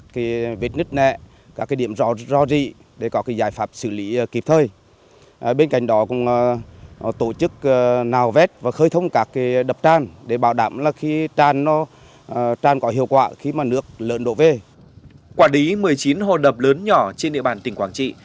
quả đí một mươi chín hồ đập lớn nhỏ trên địa bàn tỉnh quảng trị